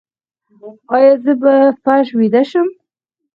ایا زه باید په فرش ویده شم؟